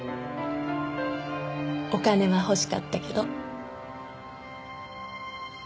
お金は欲しかったけど。